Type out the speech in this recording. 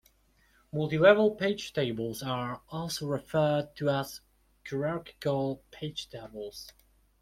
Multilevel page tables are also referred to as hierarchical page tables.